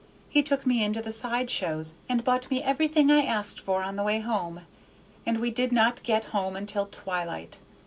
He took me into the side shows and bought me everything I asked for, on the way home, and we did not get home until twilight.